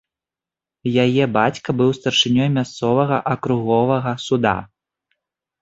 Яе бацька быў старшынёй мясцовага акруговага суда.